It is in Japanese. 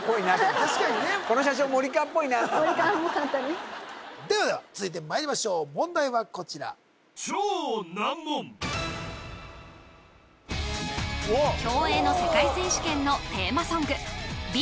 確かにねこの写真森川っぽいなって森川っぽかったですではでは続いてまいりましょう問題はこちら競泳の世界選手権のテーマソングＢ